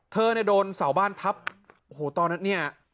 เธอเนี่ยโดนเสาบ้านทับโอ้โหตอนนั้นเนี่ย